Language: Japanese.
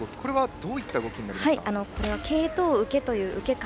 どういった動きになりますか？